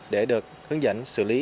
để được hướng dẫn xử lý